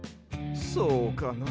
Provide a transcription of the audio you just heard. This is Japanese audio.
そうかな